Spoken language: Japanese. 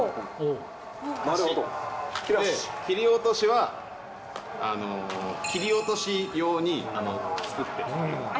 で、切り落としは切り落とし用に作ってるっていう。